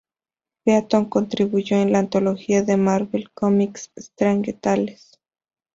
Beaton contribuyó en la antología de Marvel Comics "Strange Tales".